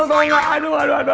aduh aduh aduh aduh